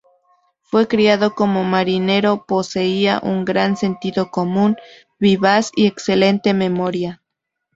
Fue criado como marinero, poseía un gran sentido común, vivaz y excelente memoria.